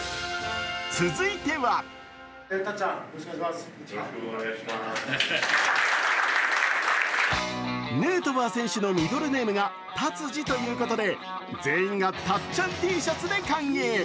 続いてはヌートバー選手のミドルネームがタツジということで全員がたっちゃんＴシャツで歓迎。